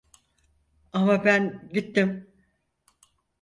Ama ben gittim…